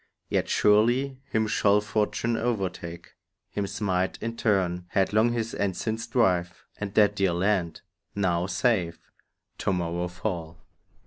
Yet surely him shall fortune overtake, Him smite in turn, headlong his ensigns drive; And that dear land, now safe, to morrow fall.